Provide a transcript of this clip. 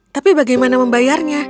tapi bagaimana membayarnya